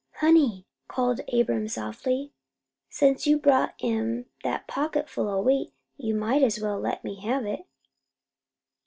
"Honey," called Abram softly, "since you brought 'em that pocketful o' wheat, you might as well let me have it."